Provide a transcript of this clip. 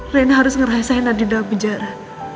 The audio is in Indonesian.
rena harus ngerasain ada di dalam penjara